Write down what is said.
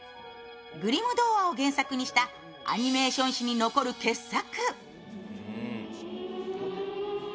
グリム童話を原作にしたアニメーション史に残る傑作。